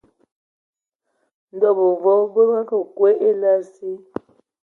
Ndɔ ban mvoe bə akə kwi a ele asi.